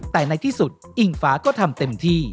แต่ในที่สุดอิงฟ้าก็ทำเต็มที่